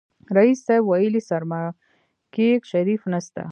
ريس صيب ويلې سرماکيک شريف نسته.